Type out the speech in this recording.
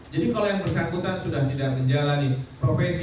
jadi kalau yang bersangkutan sudah tidak menjalani profesi